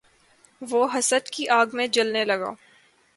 وہ حسد کی آگ میں جلنے لگا